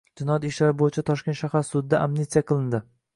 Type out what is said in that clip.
Jinoyat ishlari bo'yicha Toshkent shahar sudida amnistiya qilindi.